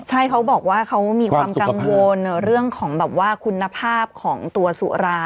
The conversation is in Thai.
ใช่เขาบอกว่าเขามีความกังวลเรื่องของแบบว่าคุณภาพของตัวสุรา